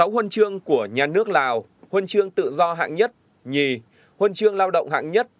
sáu huân chương của nhà nước lào huân chương tự do hạng nhất nhì huân chương lao động hạng nhất